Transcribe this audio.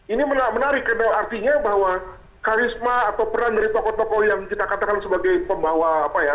ini menarik artinya bahwa karisma atau peran dari tokoh tokoh yang kita katakan sebagai pembawa apa ya